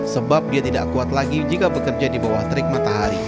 sebab dia tidak kuat lagi jika bekerja di bawah terik matahari